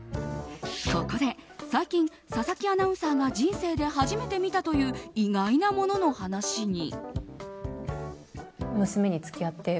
ここで、最近佐々木アナウンサーが人生で初めて見たという意外なものの話に。